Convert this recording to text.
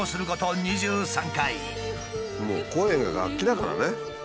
もう声が楽器だからね。